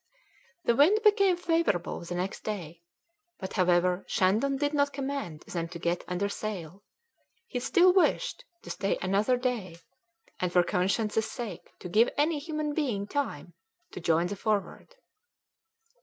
The wind became favourable the next day, but, however, Shandon did not command them to get under sail; he still wished to stay another day, and for conscience' sake to give any human being time to join the Forward.